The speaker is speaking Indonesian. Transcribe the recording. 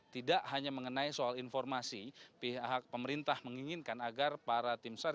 tidak hanya mengenai soal informasi pihak pemerintah menginginkan agar para tim sar